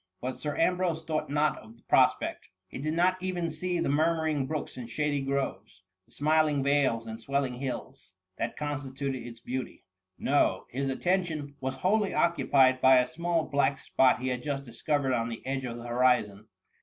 But Sir Ambrose thought not of the prospect, he did not even see the murmuring brooks and shady groves, the smiling vales and swelling hills, that constituted its beauty; no, his attention THE MUMMT. 69 was wholly occupied by a small black spot he had just discovered on the edge of the horizon.